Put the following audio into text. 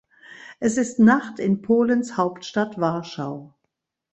Es ist Nacht in Polens Hauptstadt Warschau.